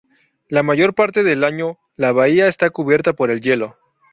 La mayor parte del año la bahía está cubierta por el hielo.